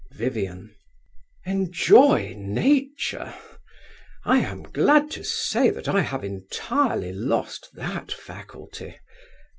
VIVIAN. Enjoy Nature! I am glad to say that I have entirely lost that faculty.